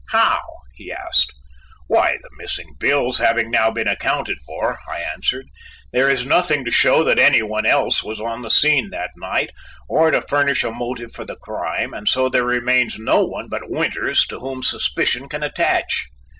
"How?" he asked. "Why, the missing bills having now been accounted for," I answered, "there is nothing to show that any one else was on the scene that night or to furnish a motive for the crime, and so there remains no one but Winters to whom suspicion can attach."